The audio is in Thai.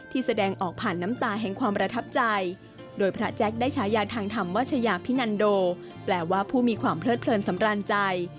แสดงออกผ่านน้ำตาแห่งความประทับใจโดยพระแจ๊คได้ฉายาทางธรรมวัชยาพินันโดแปลว่าผู้มีความเพลิดเพลินสำราญใจ